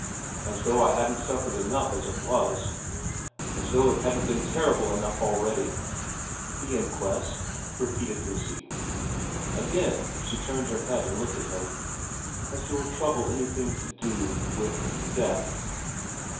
As though I hadn't suffered enough as it was ! As though it hadn't been terrible enough already '' The inquest ?' repeated Lucy. Again she turned her head and looked at him. ' Has your trouble anything to do with death